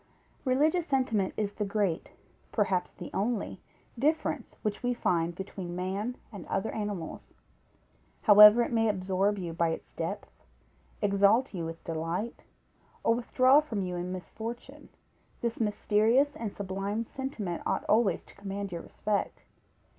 _ Religious sentiment is the great, perhaps the only difference which we find between man and other animals. However it may absorb you by its depth, exalt you with delight, or withdraw from you in misfortune, this mysterious and sublime sentiment ought always to command your respect.